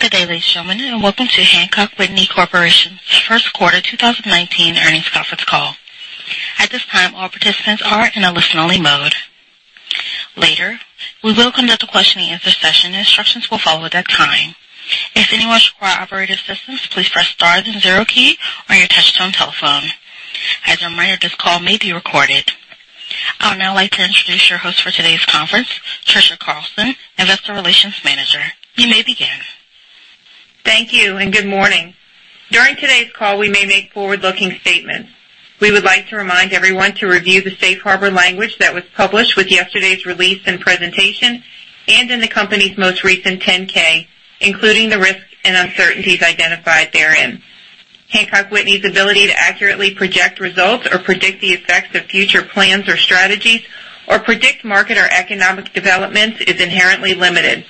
Good day, ladies and gentlemen, and welcome to Hancock Whitney Corporation's first quarter 2019 earnings conference call. At this time, all participants are in a listen-only mode. Later, we will conduct a question-and-answer session. Instructions will follow at that time. If anyone requires operator assistance, please press star, then zero key on your touchtone telephone. As a reminder, this call may be recorded. I would now like to introduce your host for today's conference, Trisha Carlson, investor relations manager. You may begin. Thank you. Good morning. During today's call, we may make forward-looking statements. We would like to remind everyone to review the safe harbor language that was published with yesterday's release and presentation, and in the company's most recent 10-K, including the risks and uncertainties identified therein. Hancock Whitney's ability to accurately project results or predict the effects of future plans or strategies, or predict market or economic developments is inherently limited.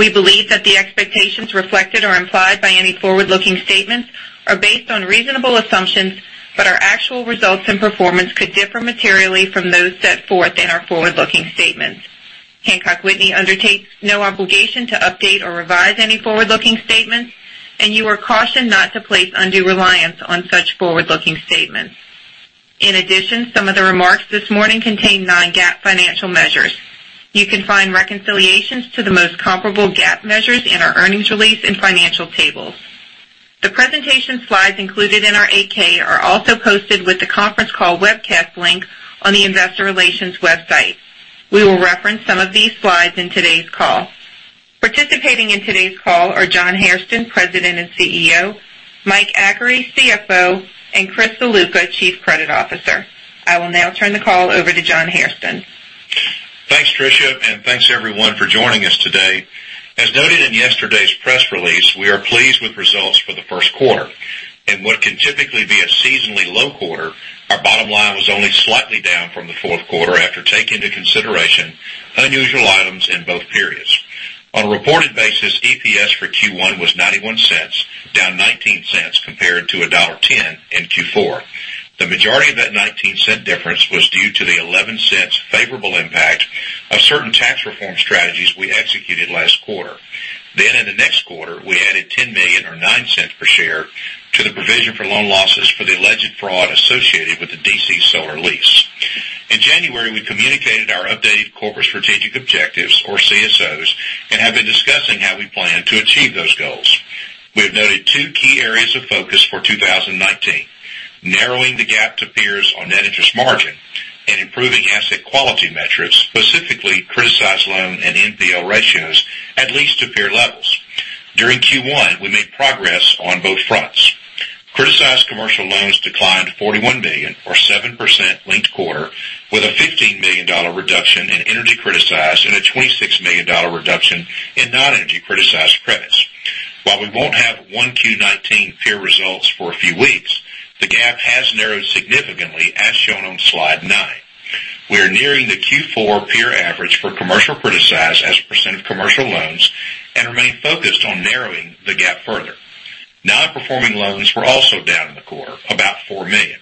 We believe that the expectations reflected or implied by any forward-looking statements are based on reasonable assumptions. Our actual results and performance could differ materially from those set forth in our forward-looking statements. Hancock Whitney undertakes no obligation to update or revise any forward-looking statements. You are cautioned not to place undue reliance on such forward-looking statements. In addition, some of the remarks this morning contain non-GAAP financial measures. You can find reconciliations to the most comparable GAAP measures in our earnings release and financial tables. The presentation slides included in our 8-K are also posted with the conference call webcast link on the investor relations website. We will reference some of these slides in today's call. Participating in today's call are John Hairston, President and CEO, Mike Achary, CFO, and Chris Ziluca, Chief Credit Officer. I will now turn the call over to John Hairston. Thanks, Trisha. Thanks, everyone, for joining us today. As noted in yesterday's press release, we are pleased with results for the first quarter. In what can typically be a seasonally low quarter, our bottom line was only slightly down from the fourth quarter after taking into consideration unusual items in both periods. On a reported basis, EPS for Q1 was $0.91, down $0.19 compared to $1.10 in Q4. The majority of that $0.19 difference was due to the $0.11 favorable impact of certain tax reform strategies we executed last quarter. In the next quarter, we added $10 million, or $0.09 per share, to the provision for loan losses for the alleged fraud associated with the DC Solar lease. In January, we communicated our updated Corporate Strategic Objectives, or CSOs, and have been discussing how we plan to achieve those goals. We have noted two key areas of focus for 2019: narrowing the gap to peers on net interest margin and improving asset quality metrics, specifically criticized loan and NPL ratios, at least to peer levels. During Q1, we made progress on both fronts. Criticized commercial loans declined to $41 million, or 7% linked quarter, with a $15 million reduction in energy criticized and a $26 million reduction in non-energy criticized credits. While we won't have 1Q19 peer results for a few weeks, the gap has narrowed significantly as shown on slide nine. We are nearing the Q4 peer average for commercial criticized as a percent of commercial loans and remain focused on narrowing the gap further. Non-performing loans were also down in the quarter, about $4 million.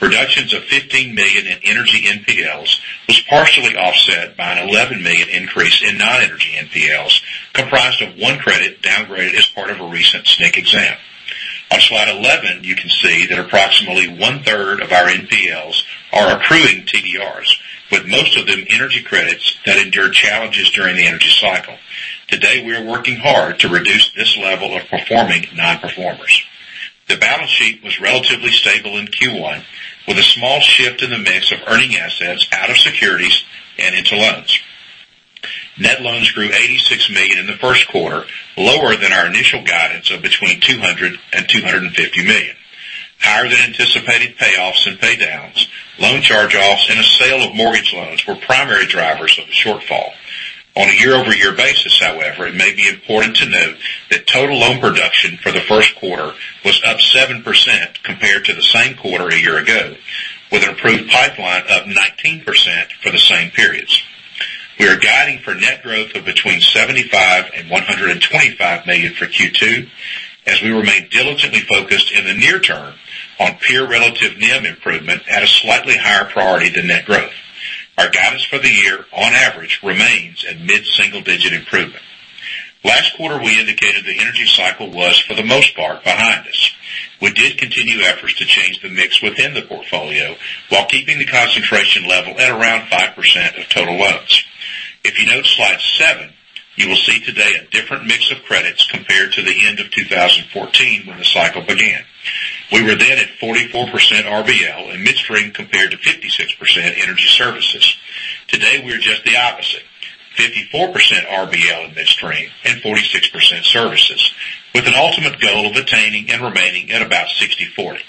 Reductions of $15 million in energy NPLs was partially offset by an $11 million increase in non-energy NPLs, comprised of one credit downgraded as part of a recent SNC exam. On slide 11, you can see that approximately one-third of our NPLs are accruing TDRs, with most of them energy credits that endured challenges during the energy cycle. Today, we are working hard to reduce this level of performing non-performers. The balance sheet was relatively stable in Q1, with a small shift in the mix of earning assets out of securities and into loans. Net loans grew $86 million in the first quarter, lower than our initial guidance of between $200 million and $250 million. Higher than anticipated payoffs and pay downs, loan charge-offs, and a sale of mortgage loans were primary drivers of the shortfall. On a year-over-year basis, however, it may be important to note that total loan production for the first quarter was up 7% compared to the same quarter a year ago, with an approved pipeline up 19% for the same periods. We are guiding for net growth of between $75 million and $125 million for Q2, as we remain diligently focused in the near term on peer relative NIM improvement at a slightly higher priority than net growth. Our guidance for the year, on average, remains a mid-single-digit improvement. Last quarter, we indicated the energy cycle was, for the most part, behind us. We did continue efforts to change the mix within the portfolio while keeping the concentration level at around 5% of total loans. If you note slide seven, you will see today a different mix of credits compared to the end of 2014 when the cycle began. We were then at 44% RBL and midstream compared to 56% energy services. Today, we are just the opposite, 54% RBL and midstream and 46% services, with an ultimate goal of attaining and remaining at about 60/40.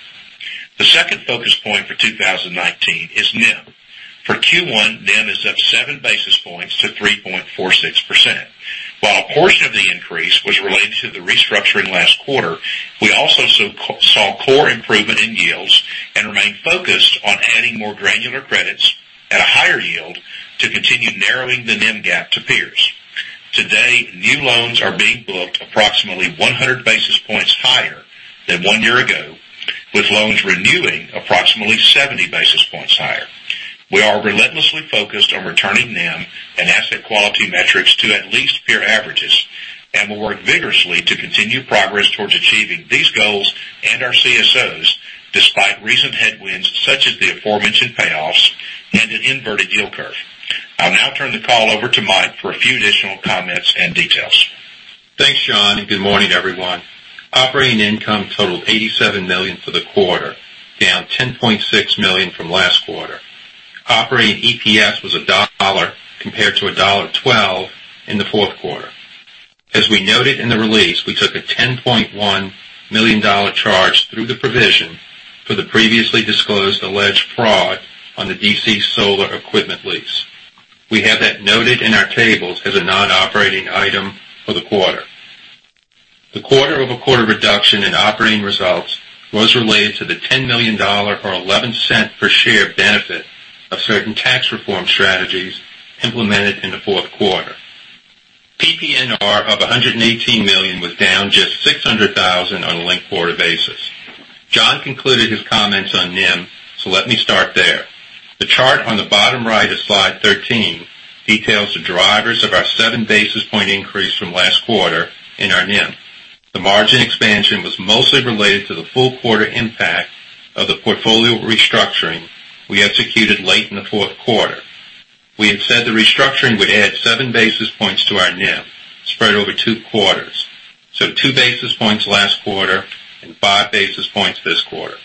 The second focus point for 2019 is NIM. For Q1, NIM is up seven basis points to 3.46%. While a portion of the increase was related to the restructuring last quarter, we also saw core improvement in yields and remain focused on adding more granular credits at a higher yield to continue narrowing the NIM gap to peers. Today, new loans are being booked approximately 100 basis points higher than one year ago, with loans renewed approximately 70 basis points higher. We are relentlessly focused on returning NIM and asset quality metrics to at least peer averages and will work vigorously to continue progress towards achieving these goals and our CSOs, despite recent headwinds such as the aforementioned payoffs and an inverted yield curve. I'll now turn the call over to Mike for a few additional comments and details. Thanks, John. Good morning, everyone. Operating income totaled $87 million for the quarter, down $10.6 million from last quarter. Operating EPS was $1 compared to $1.12 in the fourth quarter. As we noted in the release, we took a $10.1 million charge through the provision for the previously disclosed alleged fraud on the DC Solar equipment lease. We have that noted in our tables as a non-operating item for the quarter. The quarter-over-quarter reduction in operating results was related to the $10 million, or $0.11 per share benefit of certain tax reform strategies implemented in the fourth quarter. PPNR of $118 million was down just $600,000 on a linked-quarter basis. John concluded his comments on NIM. Let me start there. The chart on the bottom right of slide 13 details the drivers of our seven basis point increase from last quarter in our NIM. The margin expansion was mostly related to the full quarter impact of the portfolio restructuring we executed late in the fourth quarter. We had said the restructuring would add seven basis points to our NIM, spread over two quarters. Two basis points last quarter and five basis points this quarter.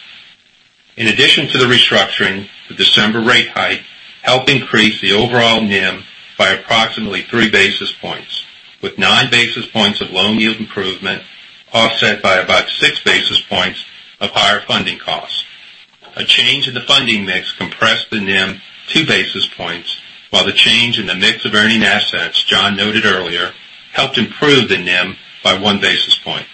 In addition to the restructuring, the December rate hike helped increase the overall NIM by approximately three basis points, with nine basis points of loan yield improvement offset by about six basis points of higher funding costs. A change in the funding mix compressed the NIM two basis points, while the change in the mix of earning assets John noted earlier helped improve the NIM by one basis point.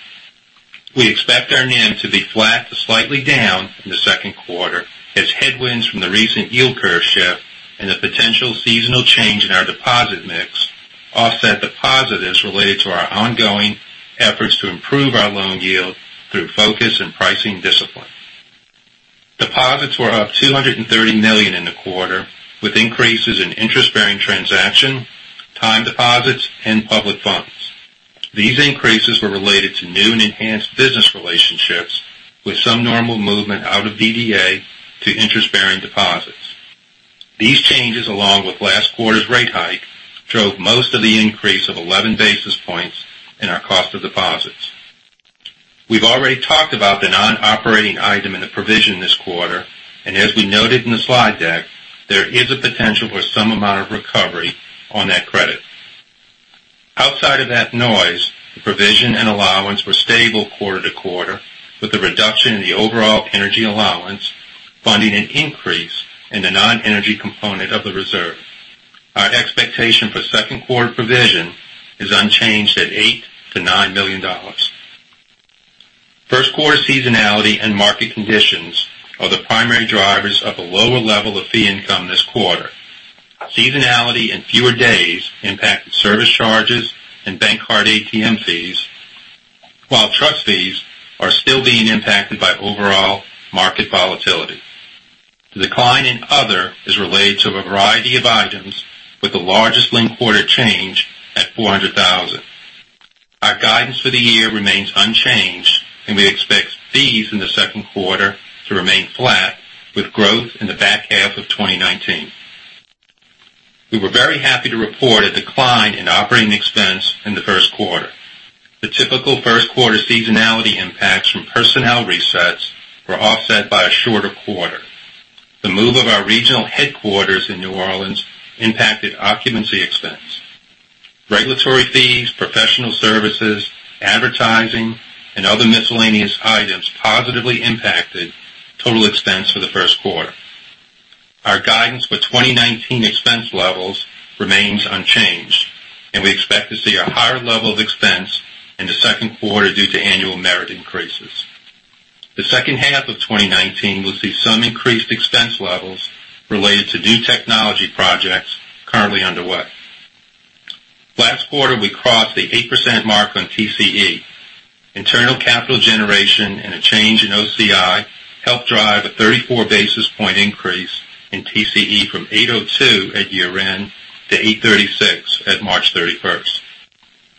We expect our NIM to be flat to slightly down in the second quarter as headwinds from the recent yield curve shift and the potential seasonal change in our deposit mix offset the positives related to our ongoing efforts to improve our loan yield through focus and pricing discipline. Deposits were up $230 million in the quarter, with increases in interest-bearing transaction, time deposits, and public funds. These increases were related to new and enhanced business relationships with some normal movement out of DDA to interest-bearing deposits. These changes, along with last quarter's rate hike, drove most of the increase of 11 basis points in our cost of deposits. We've already talked about the non-operating item in the provision this quarter. As we noted in the slide deck, there is a potential for some amount of recovery on that credit. Outside of that noise, the provision and allowance were stable quarter-over-quarter, with a reduction in the overall energy allowance, funding an increase in the non-energy component of the reserve. Our expectation for second quarter provision is unchanged at $8 million-$9 million. First quarter seasonality and market conditions are the primary drivers of the lower level of fee income this quarter. Seasonality and fewer days impacted service charges and bank card ATM fees, while trust fees are still being impacted by overall market volatility. The decline in other is related to a variety of items, with the largest linked-quarter change at $400,000. Our guidance for the year remains unchanged, and we expect fees in the second quarter to remain flat with growth in the back half of 2019. We were very happy to report a decline in operating expense in the first quarter. The typical first quarter seasonality impacts from personnel resets were offset by a shorter quarter. The move of our regional headquarters in New Orleans impacted occupancy expense. Regulatory fees, professional services, advertising, and other miscellaneous items positively impacted total expense for the first quarter. Our guidance for 2019 expense levels remains unchanged, and we expect to see a higher level of expense in the second quarter due to annual merit increases. The second half of 2019 will see some increased expense levels related to new technology projects currently underway. Last quarter, we crossed the 8% mark on TCE. Internal capital generation and a change in OCI helped drive a 34 basis point increase in TCE from 802 at year-end to 836 at March 31st.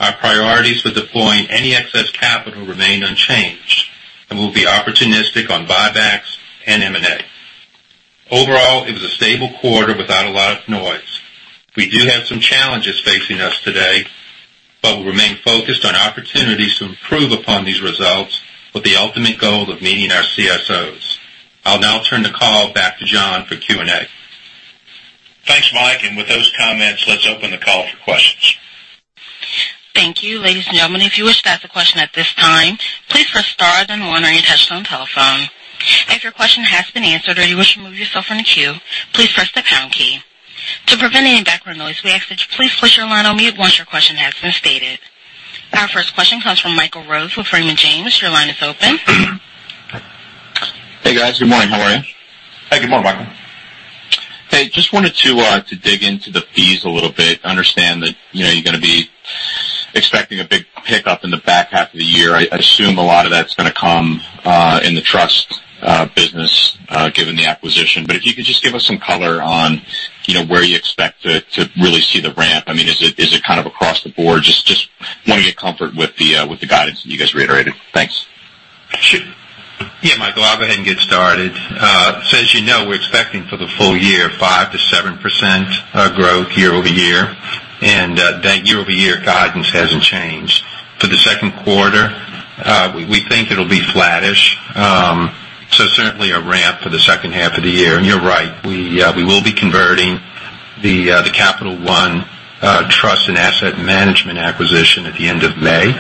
Our priorities for deploying any excess capital remain unchanged and we'll be opportunistic on buybacks and M&A. Overall, it was a stable quarter without a lot of noise. We do have some challenges facing us today, but we'll remain focused on opportunities to improve upon these results with the ultimate goal of meeting our CSOs. I'll now turn the call back to John for Q&A. Thanks, Mike. With those comments, let's open the call for questions. Thank you. Ladies and gentlemen, if you wish to ask a question at this time, please press star then one on your touchtone telephone. If your question has been answered or you wish to remove yourself from the queue, please press the pound key. To prevent any background noise, we ask that you please place your line on mute once your question has been stated. Our first question comes from Michael Rose with Raymond James. Your line is open. Hey, guys. Good morning. How are you? Hey, good morning, Michael. Hey, just wanted to dig into the fees a little bit. Understand that you're going to be expecting a big pickup in the back half of the year. I assume a lot of that's going to come in the trust business, given the acquisition. If you could just give us some color on where you expect to really see the ramp. Is it kind of across the board? I just want to get comfort with the guidance that you guys reiterated. Thanks. Sure. Yeah, Michael, I'll go ahead and get started. As you know, we're expecting for the full year, 5%-7% growth year-over-year, and that year-over-year guidance hasn't changed. For the second quarter, we think it'll be flattish. Certainly, a ramp for the second half of the year. You're right, we will be converting the Capital One trust and asset management acquisition at the end of May.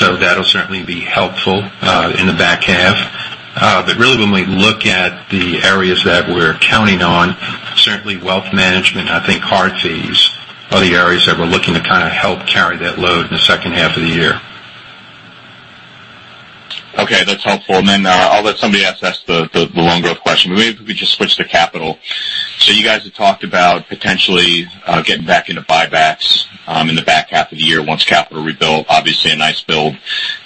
That'll certainly be helpful in the back half. Really when we look at the areas that we're counting on, certainly wealth management, I think hard fees are the areas that we're looking to kind of help carry that load in the second half of the year. Okay. That's helpful. I'll let somebody else ask the loan growth question, maybe if we just switch to capital. You guys have talked about potentially getting back into buybacks in the back half of the year, once capital rebuild. Obviously a nice build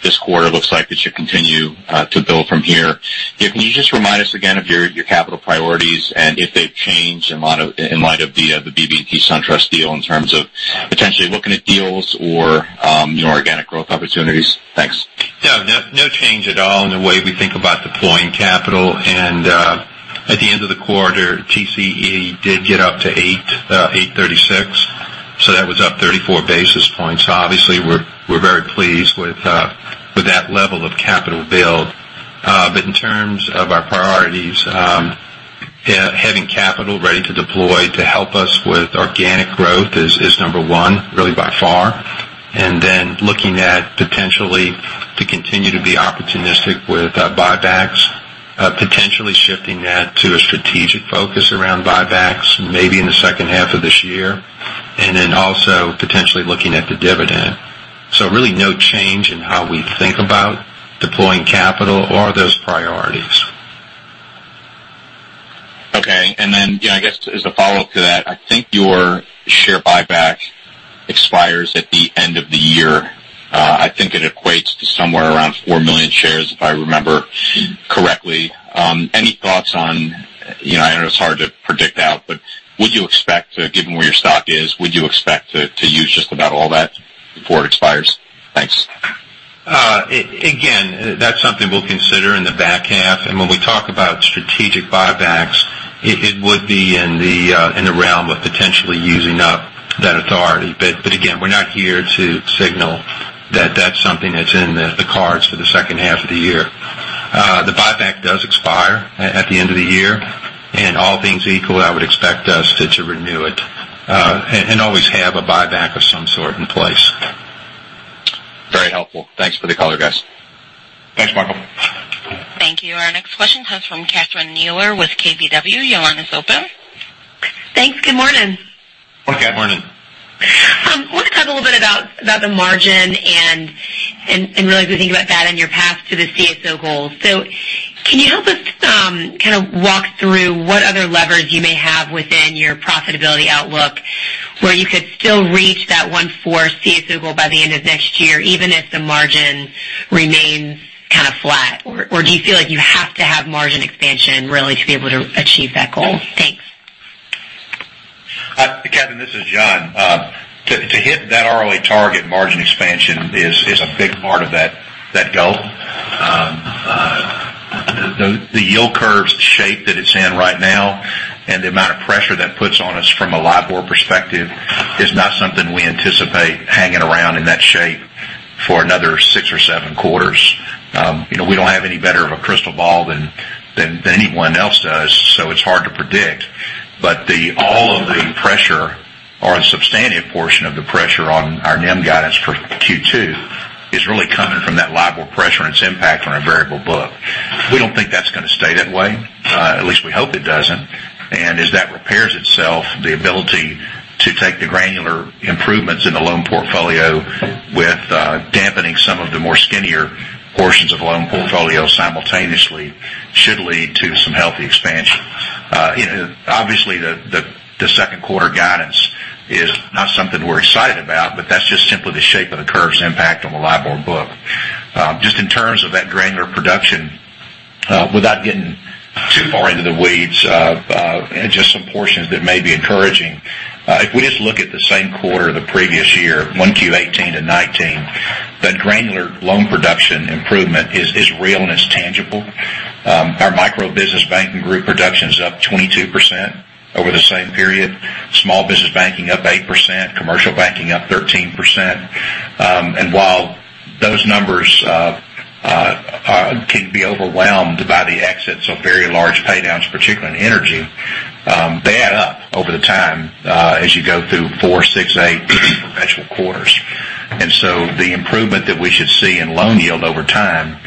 this quarter. Looks like that should continue to build from here. Can you just remind us again of your capital priorities, and if they've changed in light of the BB&T SunTrust deal in terms of potentially looking at deals or your organic growth opportunities? Thanks. No change at all in the way we think about deploying capital. At the end of the quarter, TCE did get up to 836. That was up 34 basis points. Obviously, we're very pleased with that level of capital build. In terms of our priorities, having capital ready to deploy to help us with organic growth is number one, really by far. Looking at potentially to continue to be opportunistic with buybacks, potentially shifting that to a strategic focus around buybacks, maybe in the second half of this year. Also potentially looking at the dividend. Really no change in how we think about deploying capital or those priorities. Okay. I guess as a follow-up to that, I think your share buyback expires at the end of the year. I think it equates to somewhere around 4 million shares, if I remember correctly. Any thoughts on, I know it's hard to predict out, would you expect, given where your stock is, would you expect to use just about all that before it expires? Thanks. That's something we'll consider in the back half. When we talk about strategic buybacks, it would be in the realm of potentially using up that authority. Again, we're not here to signal that that's something that's in the cards for the second half of the year. The buyback does expire at the end of the year, and all things equal, I would expect us to renew it, and always have a buyback of some sort in place. Very helpful. Thanks for the color, guys. Thanks, Michael. Thank you. Our next question comes from Catherine Mealor with KBW. Your line is open. Thanks. Good morning. Good morning. I want to talk a little bit about the margin, and really as we think about that in your path to the CSO goals. Can you help us kind of walk through what other levers you may have within your profitability outlook where you could still reach that one for CSO goal by the end of next year, even if the margin remains kind of flat? Do you feel like you have to have margin expansion really to be able to achieve that goal? Thanks. Catherine, this is John. To hit that ROA target margin expansion is a big part of that goal. The yield curve's shape that it's in right now, and the amount of pressure that puts on us from a LIBOR perspective is not something we anticipate hanging around in that shape for another six or seven quarters. We don't have any better of a crystal ball than anyone else does, it's hard to predict. All of the pressure or a substantive portion of the pressure on our NIM guidance for Q2 is really coming from that LIBOR pressure and its impact on our variable book. We don't think that's going to stay that way. At least we hope it doesn't. As that repairs itself, the ability to take the granular improvements in the loan portfolio with dampening some of the more skinnier portions of loan portfolio simultaneously should lead to some healthy expansion. Obviously, the second quarter guidance is not something we're excited about, but that's just simply the shape of the curve's impact on the LIBOR book. Just in terms of that granular production, without getting too far into the weeds, just some portions that may be encouraging. If we just look at the same quarter the previous year, 1Q 2018 to 2019, that granular loan production improvement is real and it's tangible. Our micro-business banking group production is up 22% over the same period. Small business banking up 8%, commercial banking up 13%. While those numbers can be overwhelmed by the exits of very large paydowns, particularly in energy, they add up over the time as you go through four, six, eight sequential quarters. The improvement that we should see in loan yield over time,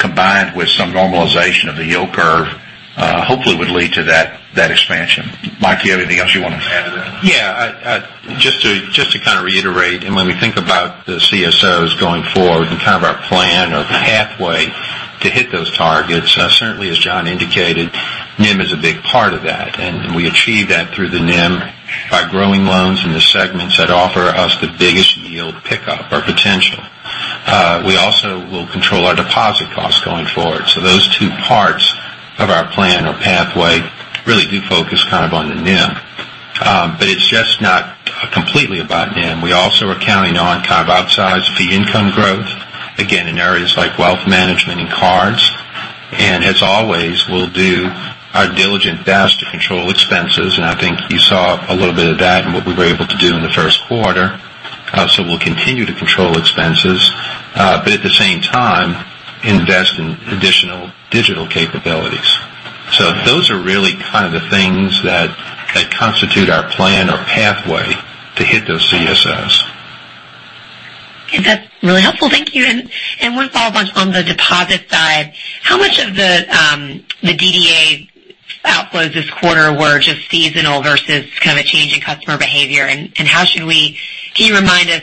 combined with some normalization of the yield curve, hopefully would lead to that expansion. Mike, you have anything else you want to add to that? When we think about the CSOs going forward and our plan or the pathway to hit those targets, certainly as John indicated, NIM is a big part of that. We achieve that through the NIM by growing loans in the segments that offer us the biggest yield pickup or potential. We also will control our deposit costs going forward. Those two parts of our plan or pathway really do focus on the NIM. It's just not completely about NIM. We also are counting on outsized fee income growth, again, in areas like wealth management and cards. As always, we'll do our diligent best to control expenses, and I think you saw a little bit of that in what we were able to do in the first quarter. We'll continue to control expenses, but at the same time, invest in additional digital capabilities. Those are really the things that constitute our plan or pathway to hit those CSOs. Okay. That's really helpful. Thank you. One follow-up on the deposit side, how much of the DDA outflows this quarter were just seasonal versus a change in customer behavior, and can you remind us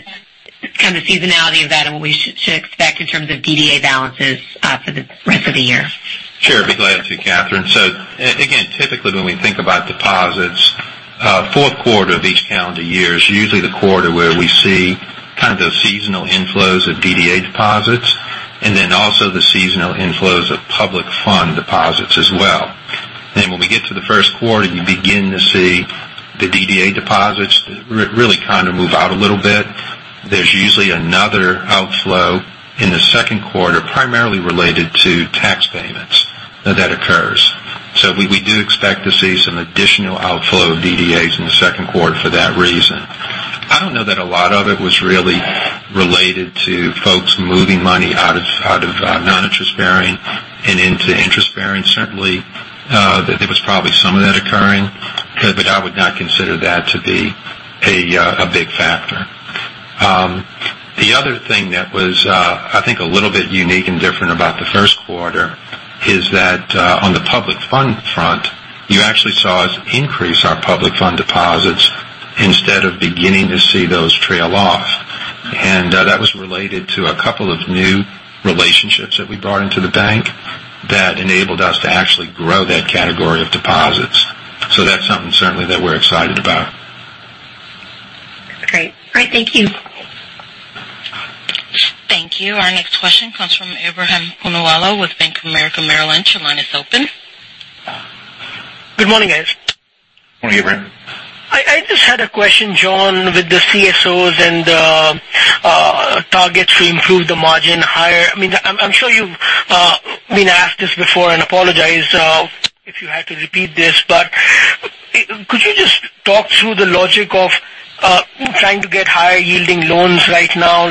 the seasonality of that and what we should expect in terms of DDA balances for the rest of the year? Sure. Be glad to, Catherine. Again, typically when we think about deposits, fourth quarter of each calendar year is usually the quarter where we see those seasonal inflows of DDA deposits, also the seasonal inflows of public fund deposits as well. When we get to the first quarter, you begin to see the DDA deposits really move out a little bit. There's usually another outflow in the second quarter, primarily related to tax payments that occurs. We do expect to see some additional outflow of DDAs in the second quarter for that reason. I don't know that a lot of it was really related to folks moving money out of non-interest bearing and into interest bearing. Certainly, there was probably some of that occurring, but I would not consider that to be a big factor. The other thing that was, I think, a little bit unique and different about the first quarter is that, on the public fund front, you actually saw us increase our public fund deposits instead of beginning to see those trail off. That was related to a couple of new relationships that we brought into the bank that enabled us to actually grow that category of deposits. That's something certainly that we're excited about. Great. Thank you. Thank you. Our next question comes from Ebrahim Poonawala with Bank of America Merrill Lynch. Your line is open. Good morning, guys. Morning, Ebrahim. I just had a question, John, with the CSOs and the targets to improve the margin higher. I am sure you have been asked this before. Apologize if you had to repeat this, but could you just talk through the logic of trying to get higher yielding loans right now?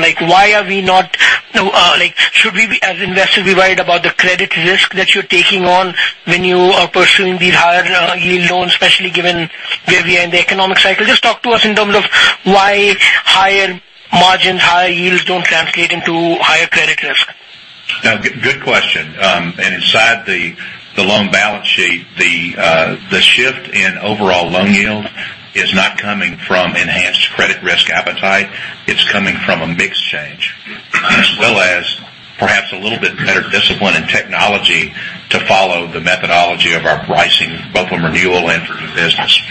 Should we, as investors, be worried about the credit risk that you are taking on when you are pursuing these higher yield loans, especially given where we are in the economic cycle? Talk to us in terms of why higher margin, higher yields don't translate into higher credit risk. Good question. Inside the loan balance sheet, the shift in overall loan yield is not coming from enhanced credit risk appetite. It is coming from a mix change, as well as perhaps a little bit better discipline in technology to follow the methodology of our pricing, both on renewal and for new business.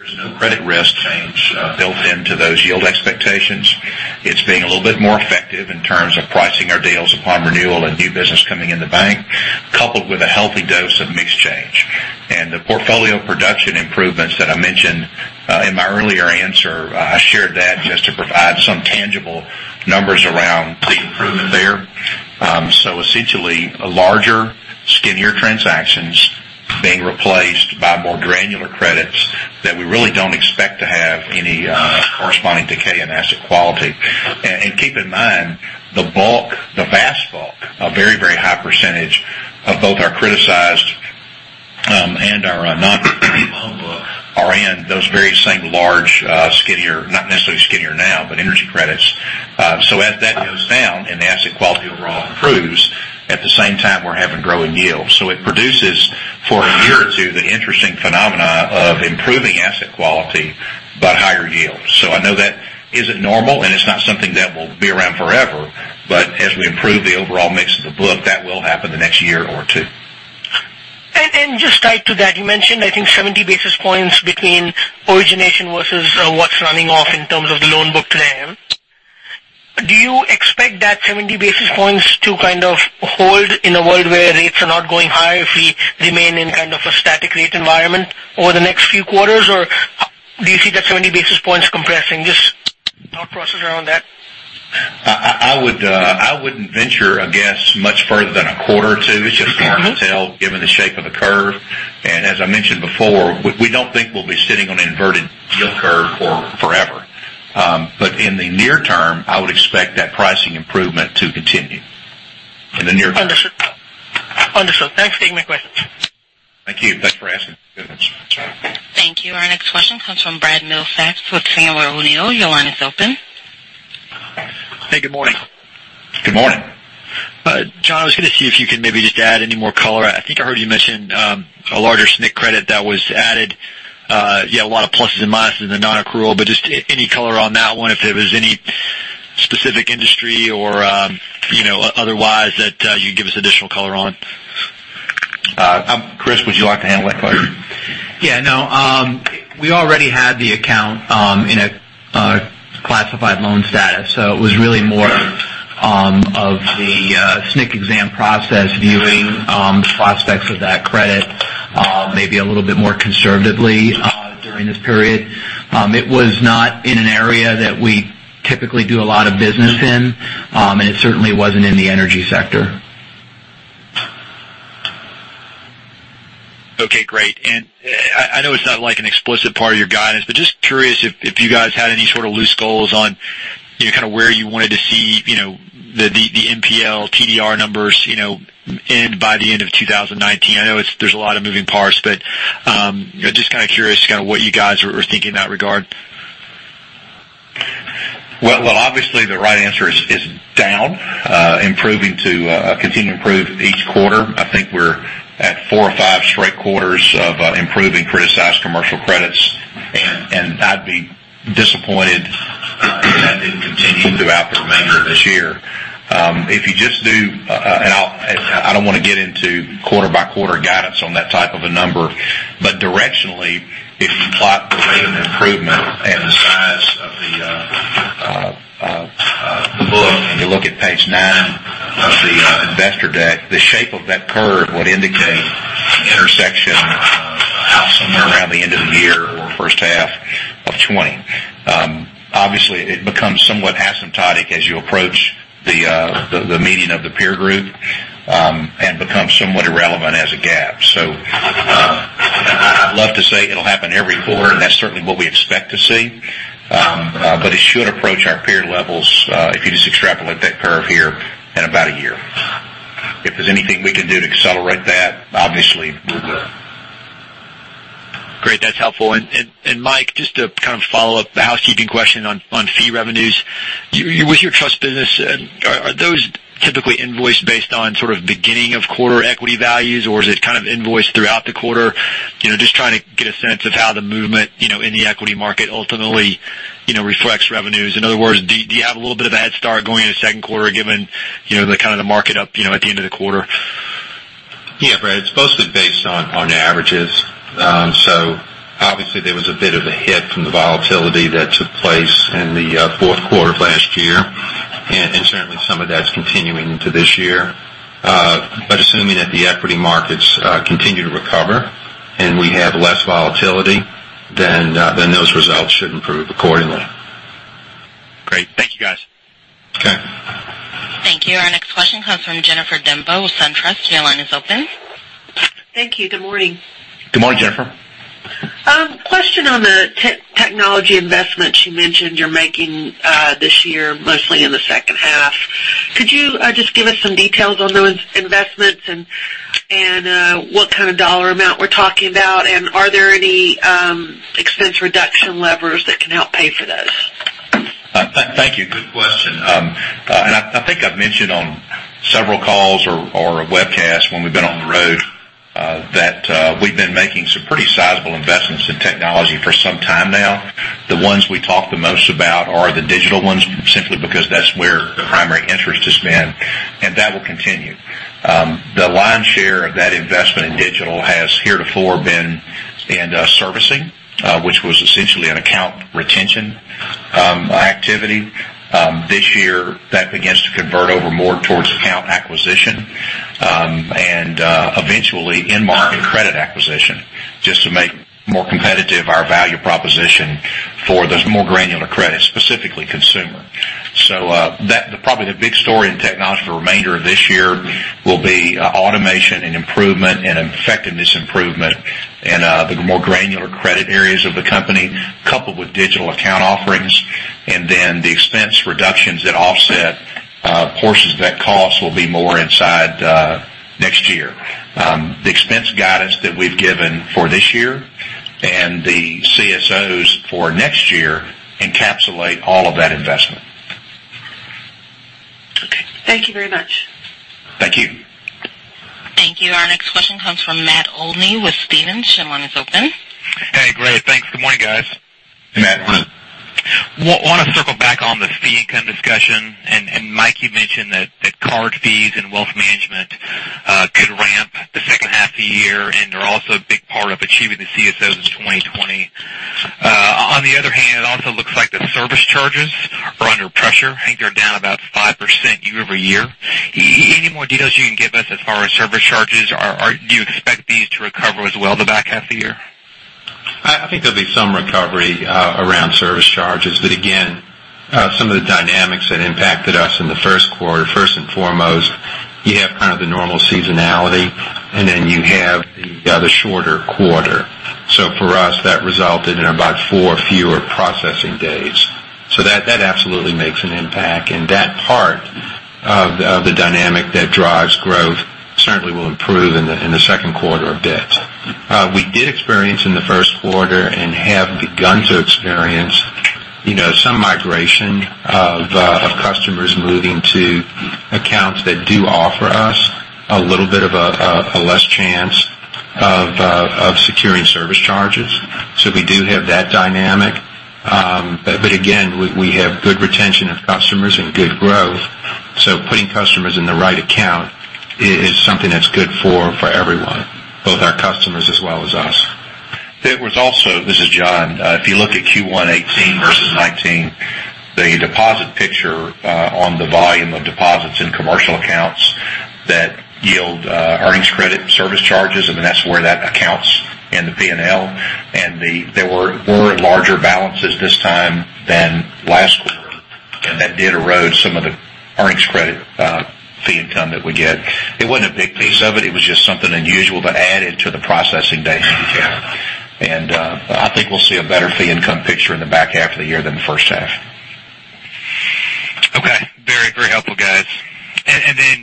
There is no credit risk change built into those yield expectations. It is being a little bit more effective in terms of pricing our deals upon renewal and new business coming in the bank, coupled with a healthy dose of mix change. The portfolio production improvements that I mentioned in my earlier answer, I shared that just to provide some tangible numbers around the improvement there. Essentially, larger, skinnier transactions being replaced by more granular credits that we really don't expect to have any corresponding decay in asset quality. Keep in mind, the vast bulk, a very high percentage of both our criticized and our non-performing loan book are in those very same large, not necessarily skinnier now, but energy credits. As that goes down and the asset quality overall improves, at the same time, we are having growing yields. It produces, for a year or two, the interesting phenomena of improving asset quality, but higher yields. I know that isn't normal, and it is not something that will be around forever, but as we improve the overall mix of the book, that will happen the next year or two. Just tied to that, you mentioned, I think, 70 basis points between origination versus what's running off in terms of the loan book today. Do you expect that 70 basis points to hold in a world where rates are not going higher, if we remain in a static rate environment over the next few quarters? Do you see that 70 basis points compressing? Just thought process around that. I wouldn't venture a guess much further than a quarter or two. It's just hard to tell given the shape of the curve. As I mentioned before, we don't think we'll be sitting on an inverted yield curve for forever. In the near term, I would expect that pricing improvement to continue. In the near term. Understood. Thanks. Take my questions. Thank you. Thanks for asking. Good one. Thank you. Our next question comes from Brad Milsaps with Sandler O'Neill. Your line is open. Hey, good morning. Good morning. John, I was going to see if you could maybe just add any more color. I think I heard you mention a larger SNC credit that was added. You had a lot of pluses and minuses in the non-accrual, but just any color on that one, if there was any specific industry or otherwise that you'd give us additional color on? Chris, would you like to handle that question? Yeah. No, we already had the account in a classified loan status. It was really more of the SNC exam process, viewing the prospects of that credit maybe a little bit more conservatively during this period. It was not in an area that we typically do a lot of business in, and it certainly wasn't in the energy sector. Okay, great. I know it's not an explicit part of your guidance, just curious if you guys had any sort of loose goals on where you wanted to see the NPL TDR numbers end by the end of 2019. I know there's a lot of moving parts, just kind of curious what you guys were thinking in that regard. Well, obviously, the right answer is down, continue to improve each quarter. I think we're at four or five straight quarters of improving criticized commercial credits, I'd be disappointed if that didn't continue throughout the remainder of this year. I don't want to get into quarter-by-quarter guidance on that type of a number, directionally, if you plot the rate of improvement and the size of the book, if you look at page nine of the investor deck, the shape of that curve would indicate an intersection somewhere around the end of the year or first half of 2020. Obviously, it becomes somewhat asymptotic as you approach the meeting of the peer group, becomes somewhat irrelevant as a GAAP. I'd love to say it'll happen every quarter, that's certainly what we expect to see. It should approach our peer levels, if you just extrapolate that curve here, in about one year. If there's anything we can do to accelerate that, obviously we will. Great. That's helpful. Mike, just to kind of follow up, one housekeeping question on fee revenues. With your trust business, are those typically invoiced based on beginning of quarter equity values, or is it kind of invoiced throughout the quarter? Just trying to get a sense of how the movement in the equity market ultimately reflects revenues. In other words, do you have a little bit of a head start going into second quarter, given the market up at the end of the quarter? Yeah, Brad, it's mostly based on averages. Obviously there was a bit of a hit from the volatility that took place in the fourth quarter of last year, and certainly some of that's continuing into this year. Assuming that the equity markets continue to recover, and we have less volatility, then those results should improve accordingly. Great. Thank you, guys. Okay. Thank you. Our next question comes from Jennifer Demba with SunTrust. Your line is open. Thank you. Good morning. Good morning, Jennifer. Question on the technology investments you mentioned you're making this year, mostly in the second half. Could you just give us some details on those investments, and what kind of dollar amount we're talking about? Are there any expense reduction levers that can help pay for those? Thank you. Good question. I think I've mentioned on several calls or a webcast when we've been on the road, that we've been making some pretty sizable investments in technology for some time now. The ones we talk the most about are the digital ones, simply because that's where the primary interest has been, and that will continue. The lion's share of that investment in digital has heretofore been in servicing, which was essentially an account retention activity. This year, that begins to convert over more towards account acquisition, and eventually in-market credit acquisition, just to make more competitive our value proposition for those more granular credits, specifically consumer. Probably the big story in technology for the remainder of this year will be automation and improvement and effectiveness improvement in the more granular credit areas of the company, coupled with digital account offerings, and then the expense reductions that offset portions of that cost will be more inside next year. The expense guidance that we've given for this year, and the CSOs for next year, encapsulate all of that investment. Okay. Thank you very much. Thank you. Thank you. Our next question comes from Matt Olney with Stephens. Your line is open. Hey, great. Thanks. Good morning, guys. Hey, Matt. Want to circle back on this fee income discussion. Mike, you mentioned that card fees and wealth management could ramp the second half of the year and are also a big part of achieving the CSOs in 2020. On the other hand, it also looks like the service charges are under pressure. I think they're down about 5% year-over-year. Any more details you can give us as far as service charges? Do you expect these to recover as well in the back half of the year? I think there'll be some recovery around service charges. Again, some of the dynamics that impacted us in the first quarter, first and foremost, you have kind of the normal seasonality. Then you have the other shorter quarter. For us, that resulted in about four fewer processing days. That absolutely makes an impact, and that part of the dynamic that drives growth. Certainly will improve in the second quarter a bit. We did experience in the first quarter, and have begun to experience some migration of customers moving to accounts that do offer us a little bit of a less chance of securing service charges. We do have that dynamic. Again, we have good retention of customers and good growth. Putting customers in the right account is something that's good for everyone, both our customers as well as us. This is John. If you look at Q1 2018 versus 2019, the deposit picture on the volume of deposits in commercial accounts that yield earnings credit service charges, I mean, that's where that accounts in the P&L. There were larger balances this time than last quarter, and that did erode some of the earnings credit fee income that we get. It wasn't a big piece of it. It was just something unusual, but added to the processing detail. I think we'll see a better fee income picture in the back half of the year than the first half. Okay. Very helpful, guys.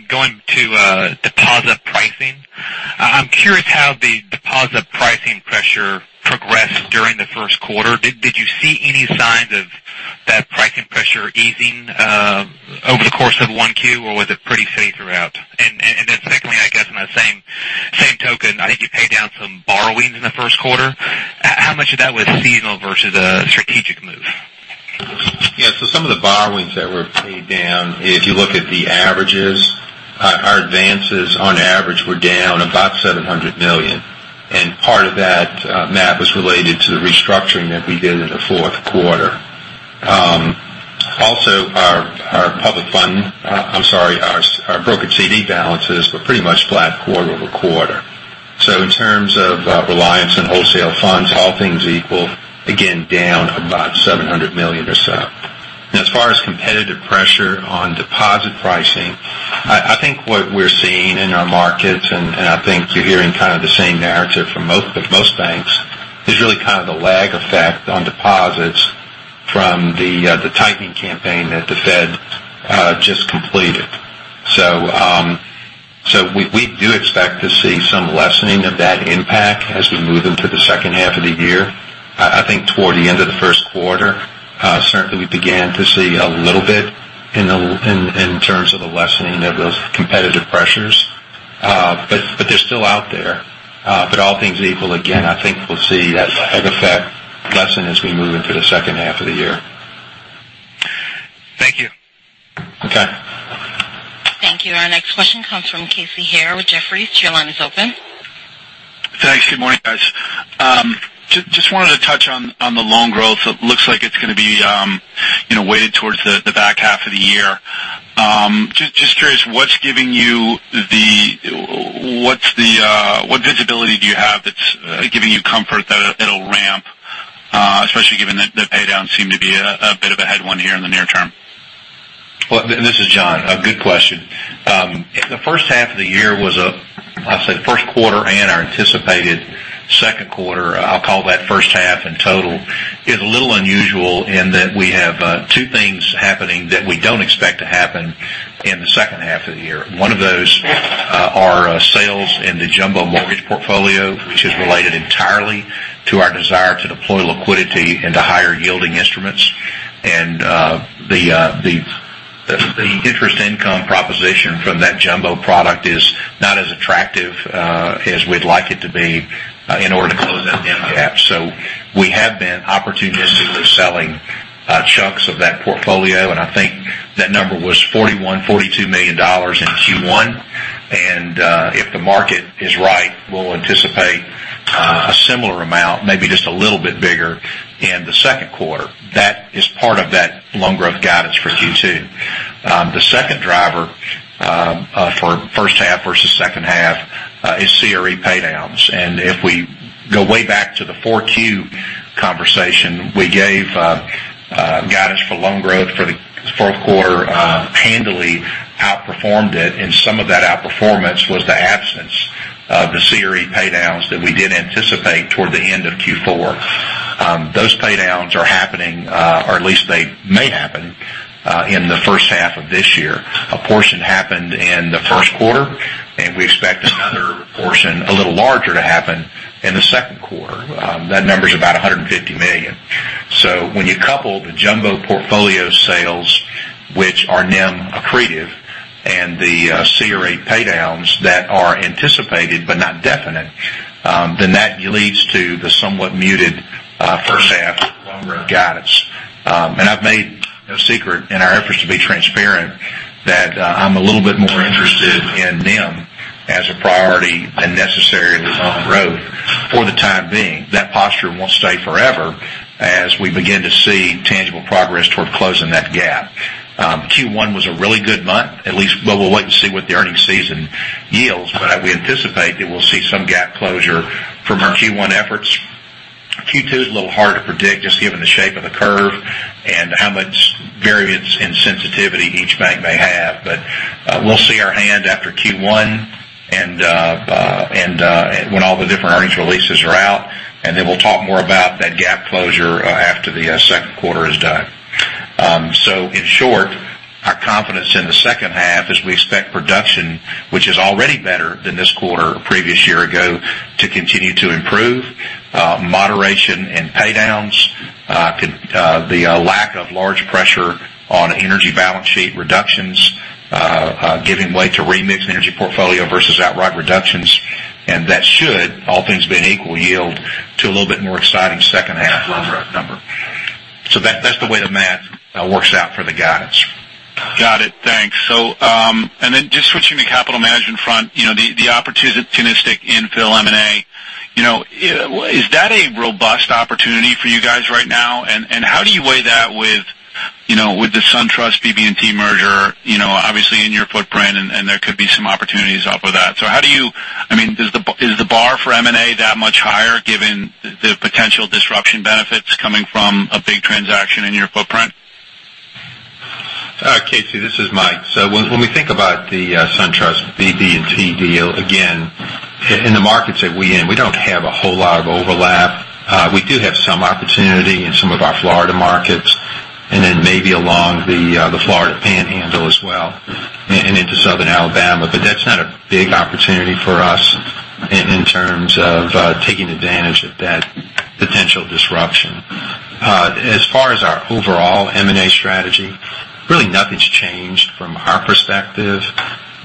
Going to deposit pricing, I'm curious how the deposit pricing pressure progressed during the first quarter. Did you see any signs of that pricing pressure easing over the course of one Q, or was it pretty steady throughout? Secondly, I guess on that same token, I think you paid down some borrowings in the first quarter. How much of that was seasonal versus a strategic move? Yeah. Some of the borrowings that were paid down, if you look at the averages, our advances on average were down about $700 million. Part of that move was related to the restructuring that we did in the fourth quarter. Also, our broker CD balances were pretty much flat quarter-over-quarter. In terms of reliance on wholesale funds, all things equal, again, down about $700 million or so. Now, as far as competitive pressure on deposit pricing, I think what we're seeing in our markets, you're hearing kind of the same narrative from most banks, is really kind of the lag effect on deposits from the tightening campaign that the Fed just completed. We do expect to see some lessening of that impact as we move into the second half of the year. I think toward the end of the first quarter, certainly, we began to see a little bit in terms of the lessening of those competitive pressures. They're still out there. All things equal, again, I think we'll see that lag effect lessen as we move into the second half of the year. Thank you. Okay. Thank you. Our next question comes from Casey Haire with Jefferies. Your line is open. Thanks. Good morning, guys. Just wanted to touch on the loan growth. It looks like it's going to be weighted towards the back half of the year. Just curious, what visibility do you have that's giving you comfort that it'll ramp, especially given that the pay downs seem to be a bit of a headwind here in the near term? Well, this is John. A good question. The first half of the year was I'll say the first quarter and our anticipated second quarter, I'll call that first half in total, is a little unusual in that we have two things happening that we don't expect to happen in the second half of the year. One of those are sales in the jumbo mortgage portfolio, which is related entirely to our desire to deploy liquidity into higher yielding instruments. The interest income proposition from that jumbo product is not as attractive as we'd like it to be in order to close that NIM gap. We have been opportunistically selling chunks of that portfolio, and I think that number was $41, $42 million in Q1. If the market is right, we'll anticipate a similar amount, maybe just a little bit bigger in the second quarter. That is part of that loan growth guidance for Q2. The second driver for first half versus second half is CRE pay downs. If we go way back to the 4Q conversation, we gave guidance for loan growth for the fourth quarter, handily outperformed it, and some of that outperformance was the absence of the CRE pay downs that we did anticipate toward the end of Q4. Those pay downs are happening, or at least they may happen, in the first half of this year. A portion happened in the first quarter, and we expect another portion, a little larger, to happen in the second quarter. That number is about $150 million. When you couple the jumbo portfolio sales, which are NIM accretive, and the CRE pay downs that are anticipated but not definite, that leads to the somewhat muted first half loan growth guidance. I've made no secret in our efforts to be transparent that I'm a little bit more interested in NIM as a priority than necessarily loan growth for the time being. That posture won't stay forever as we begin to see tangible progress toward closing that gap. Q1 was a really good month. At least, well, we'll wait and see what the earnings season yields, but we anticipate that we'll see some gap closure from our Q1 efforts. Q2 is a little hard to predict, just given the shape of the curve and how much variance in sensitivity each bank may have. We'll see our hand after Q1 and When all the different earnings releases are out, we'll talk more about that gap closure after the second quarter is done. In short, our confidence in the second half is we expect production, which is already better than this quarter previous year ago, to continue to improve. Moderation in pay-downs, the lack of large pressure on energy balance sheet reductions, giving way to remix energy portfolio versus outright reductions, and that should, all things being equal, yield to a little bit more exciting second half number. That's the way the math works out for the guidance. Got it. Thanks. Just switching to capital management front, the opportunistic infill M&A. Is that a robust opportunity for you guys right now? How do you weigh that with the SunTrust BB&T merger obviously in your footprint, and there could be some opportunities off of that. Is the bar for M&A that much higher given the potential disruption benefits coming from a big transaction in your footprint? Casey, this is Mike. When we think about the SunTrust BB&T deal, again, in the markets that we in, we don't have a whole lot of overlap. We do have some opportunity in some of our Florida markets, and then maybe along the Florida Panhandle as well, and into Southern Alabama. That's not a big opportunity for us in terms of taking advantage of that potential disruption. As far as our overall M&A strategy, really nothing's changed from our perspective.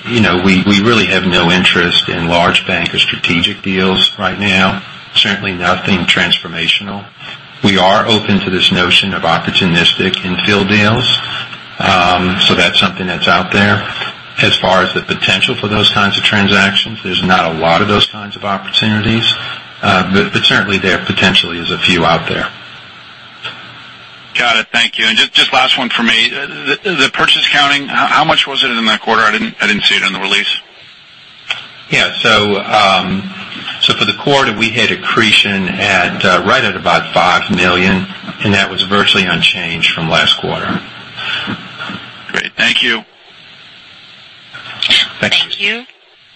We really have no interest in large bank or strategic deals right now. Certainly nothing transformational. We are open to this notion of opportunistic infill deals. That's something that's out there. As far as the potential for those kinds of transactions, there's not a lot of those kinds of opportunities. Certainly there potentially is a few out there. Got it. Thank you. Just last one for me. The purchase accounting, how much was it in that quarter? I didn't see it in the release. Yeah. For the quarter, we hit accretion right at about $5 million, that was virtually unchanged from last quarter. Great. Thank you. Thank you. Thank you.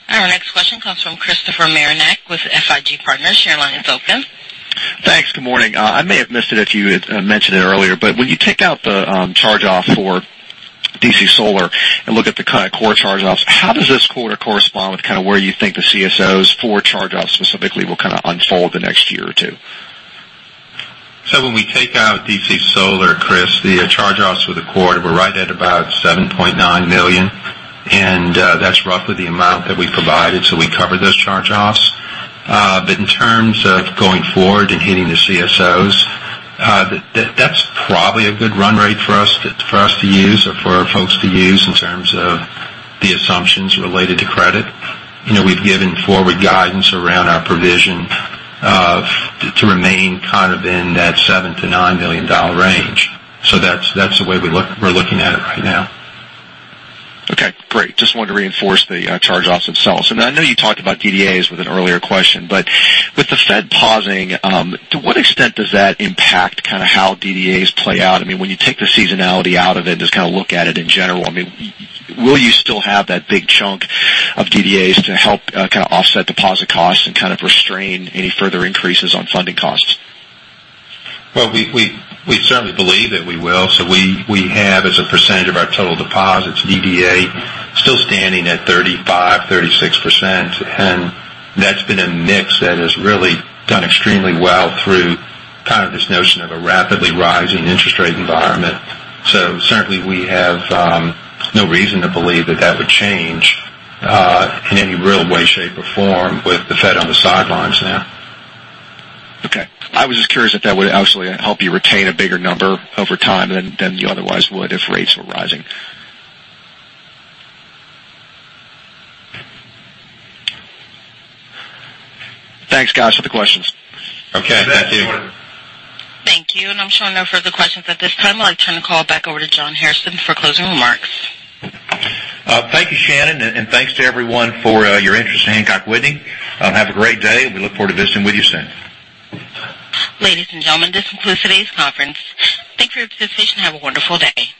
Our next question comes from Christopher Marinac with FIG Partners. Your line is open. Thanks. Good morning. I may have missed it if you had mentioned it earlier, but when you take out the charge-off for DC Solar and look at the kind of core charge-offs, how does this quarter correspond with kind of where you think the CSOs for charge-offs specifically will kind of unfold the next year or two? When we take out DC Solar, Chris, the charge-offs for the quarter were right at about $7.9 million, and that's roughly the amount that we provided, so we covered those charge-offs. In terms of going forward and hitting the CSOs, that's probably a good run rate for us to use or for our folks to use in terms of the assumptions related to credit. We've given forward guidance around our provision to remain kind of in that $7 million to $9 million range. That's the way we're looking at it right now. Okay, great. Just wanted to reinforce the charge-offs themselves. I know you talked about DDAs with an earlier question, but with the Fed pausing, to what extent does that impact kind of how DDAs play out? You take the seasonality out of it and just kind of look at it in general, will you still have that big chunk of DDAs to help kind of offset deposit costs and kind of restrain any further increases on funding costs? We certainly believe that we will. We have as a percentage of our total deposits, DDA still standing at 35%, 36%, and that's been a mix that has really done extremely well through kind of this notion of a rapidly rising interest rate environment. Certainly we have no reason to believe that would change in any real way, shape, or form with the Fed on the sidelines now. Okay. I was just curious if that would actually help you retain a bigger number over time than you otherwise would if rates were rising. Thanks, guys, for the questions. Okay. Thank you. Thank you. I'm showing no further questions at this time. I'll turn the call back over to John Hairston for closing remarks. Thank you, Shannon. Thanks to everyone for your interest in Hancock Whitney. Have a great day. We look forward to visiting with you soon. Ladies and gentlemen, this concludes today's conference. Thank you for your participation and have a wonderful day.